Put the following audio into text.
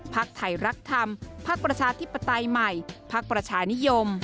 ไทยรักธรรมภักดิ์ประชาธิปไตยใหม่พักประชานิยม